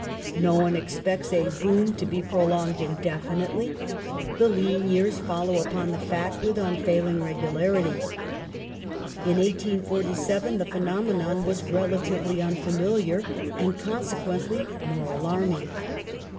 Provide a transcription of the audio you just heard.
1847 No one expects a "boom" to be prolonged indefinitely; the lean years follow upon the fat with unfailing regularity. In 1847 the phenomenon was relatively unfamiliar and consequently more alarm ing.